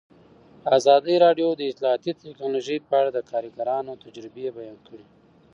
ازادي راډیو د اطلاعاتی تکنالوژي په اړه د کارګرانو تجربې بیان کړي.